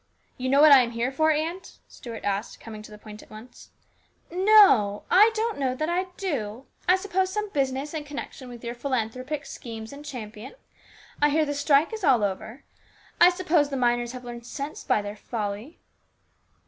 " You know what I am here for, aunt ?" Stuart asked, coming to the point at once. " No, I don't know that I do. I suppose some business in connection with your philanthropic schemes in Champion. I hear the strike is all over. I suppose the miners have learned sense by their folly."